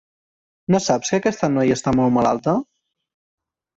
No saps que aquesta noia està molt malalta?